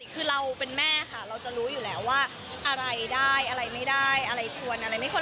คือเราเป็นแม่ค่ะเราจะรู้อยู่แล้วว่าอะไรได้อะไรไม่ได้อะไรควรอะไรไม่ควร